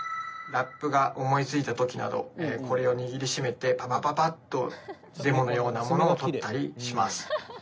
ラップが思いついた時などこれを握りしめてパパパパッとデモのようなものを録ったりします。